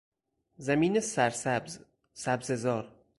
زمین سر سبز، سبزه زار